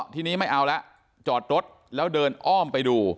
ทีนี้ไม่เอาแล้วจอดรถแล้วเดินอ้อมไปดู